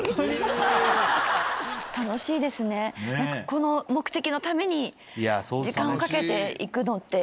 この目的のために時間をかけて行くのって。